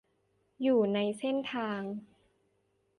อยู่ในเส้นทาง